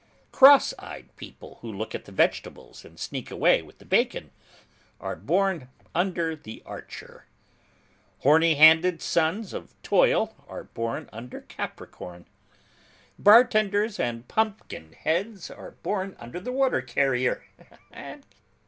Cross eyed people who look at the vegetables and sneak away with the bacon, are born under the Archer. Horny handed sons of toil are born under Capricorn. Bartenders and pumpkin heads are born under the Water Carrier.